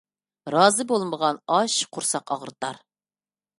رازى بولمىغان ئاش قۇرساق ئاغرىتار.